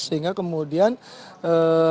sehingga kemudian eee